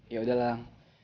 ya udah bang